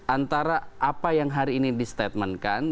antara apa yang hari ini di statement kan